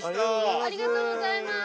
ありがとうございます。